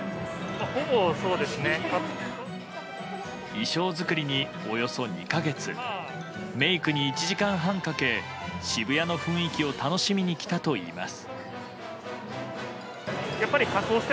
衣装づくりに、およそ２か月メイクに１時間半かけ渋谷の雰囲気を楽しみに来たといいます。